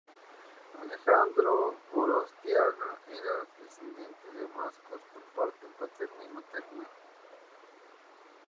Alejandro Gorostiaga era descendiente de vascos por parte paterna y materna.